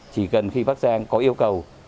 chỉ cần khi bắc giang có yêu cầu